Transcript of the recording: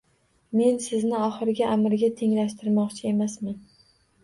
— Men sizni oxirgi amirga tenglashtirmoqchi emasman.